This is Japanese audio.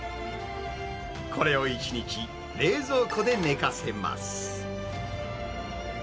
これを１日冷蔵庫で寝かせます。